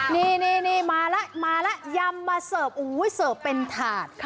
นี่นี่นี่มาแล้วมาแล้วย้ำมาเสริฟอุ้ยเสริฟเป็นถาด